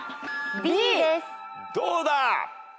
どうだ？